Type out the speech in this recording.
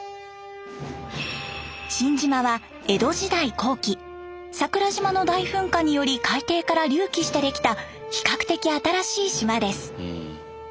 新島は江戸時代後期桜島の大噴火により海底から隆起してできた比較的新しい島です。